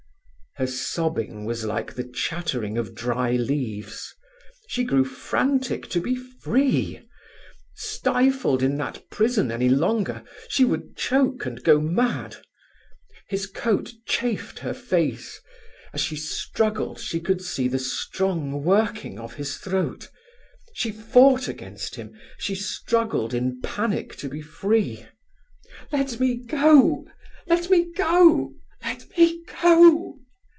Her sobbing was like the chattering of dry leaves. She grew frantic to be free. Stifled in that prison any longer, she would choke and go mad. His coat chafed her face; as she struggled she could see the strong working of his throat. She fought against him; she struggled in panic to be free. "Let me go!" she cried. "Let me go! Let me go!"